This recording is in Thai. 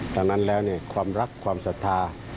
ดังนั้นแล้วความรักความศรัทธา